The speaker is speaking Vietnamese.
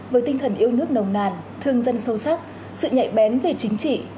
với tinh thần yêu nước nồng nàn thương dân sâu sắc sự nhạy bén về chính trị